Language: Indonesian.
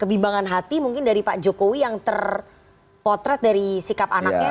kebimbangan hati mungkin dari pak jokowi yang terpotret dari sikap anaknya